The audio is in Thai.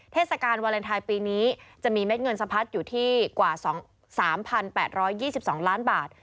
เทศกาลวาเลนไทยปีนี้จะมีเม็ดเงินสะพัดอยู่ที่กว่า๓๘๒๒ล้านบาท